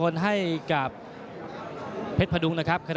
ส่วนคู่ต่อไปของกาวสีมือเจ้าระเข้ยวนะครับขอบคุณด้วย